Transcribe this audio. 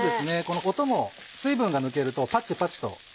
この音も水分が抜けるとパチパチと。